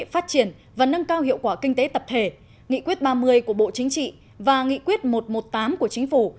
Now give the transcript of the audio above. phát triển và nâng cao hiệu quả kinh tế tập thể nghị quyết ba mươi của bộ chính trị và nghị quyết một trăm một mươi tám của chính phủ